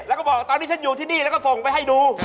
แล้วก็บอกตอนนี้ฉันอยู่ที่นี่แล้วก็ส่งไปให้ดู